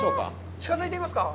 近づいてみますか。